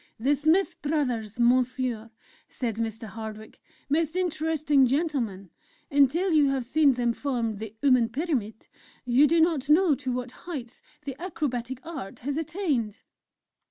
"The Smith Brothers, Monsieur," said Mr. Hardwick: "most interesting gentlemen! Until you have seen them form the 'uman Pyramid,' you do not know to what heights the Acrobatic Art has attained!"